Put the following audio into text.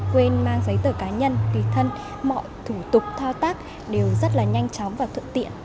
quên mang giấy tờ cá nhân tùy thân mọi thủ tục thao tác đều rất là nhanh chóng và thuận tiện